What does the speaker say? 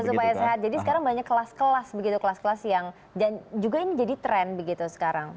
supaya sehat jadi sekarang banyak kelas kelas yang juga ini jadi tren sekarang